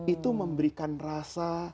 itu memberikan rasa